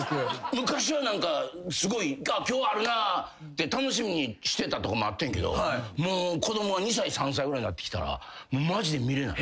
昔はすごい「今日あるな」って楽しみにしてたとこもあってんけどもう子供が２歳３歳ぐらいになってきたらマジで見られない。